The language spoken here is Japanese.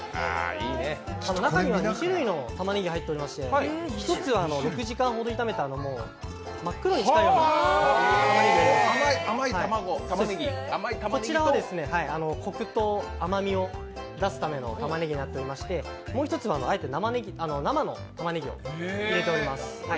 中には２種類のたまねぎが入っておりまして、１つは６時間ほど炒めた真っ黒に近いようなたまねぎ、こちらは黒糖、甘みを出すためのたまねぎになっておりましてもう一つはあえて生のたまねぎを入れております。